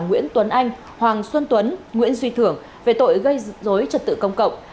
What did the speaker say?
nguyễn tuấn anh hoàng xuân tuấn nguyễn duy thưởng về tội gây dối trật tự công cộng